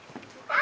あ！